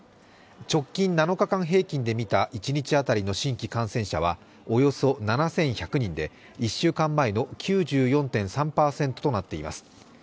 直近７日間平均で見た一日当たりの新規感染者はおよそ７１００人で、１週間前の９４．３％となっています。